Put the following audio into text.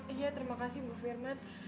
iya terima kasih bu firman